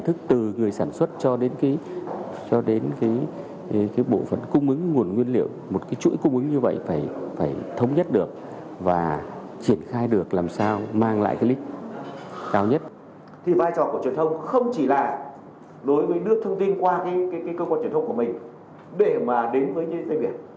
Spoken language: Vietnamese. thì vai trò của truyền thông không chỉ là đối với nước thông tin qua cơ quan truyền thông của mình để đến với doanh nghiệp